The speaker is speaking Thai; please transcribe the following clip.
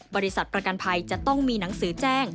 บริษัทประกันภัยจะต้องมีหนังสือแจ้ง